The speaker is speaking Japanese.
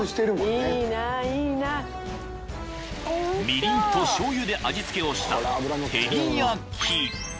［みりんとしょうゆで味付けをした］